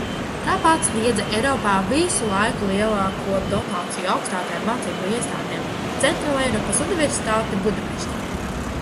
Tāpat sniedza Eiropā visu laiku lielāko dotāciju augstākajām mācību iestādēm – Centrāleiropas Universitātē Budapeštā.